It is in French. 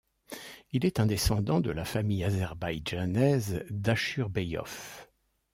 Il est un descendant de la famille azerbaïdjanaise d'Ashurbeyov.